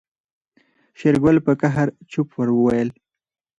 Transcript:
شېرګل په قهر چپ ور وويل.